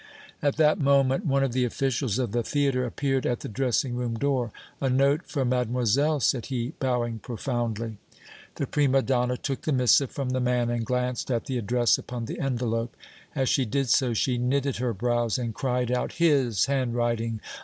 At that moment one of the officials of the theatre appeared at the dressing room door. "A note for mademoiselle," said he, bowing profoundly. The prima donna took the missive from the man and glanced at the address upon the envelope. As she did so, she knitted her brows and cried out: "His handwriting!